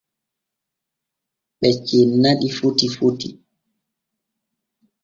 Ɓe cenna ɗi foti foti.